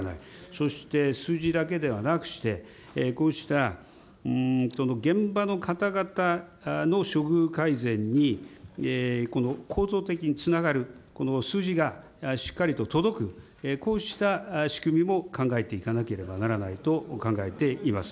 そして数字だけではなくして、こうした、現場の方々の処遇改善に構造的につながる、この数字がしっかりと届く、こうした仕組みも考えていかなければならないと考えています。